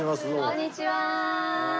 こんにちは。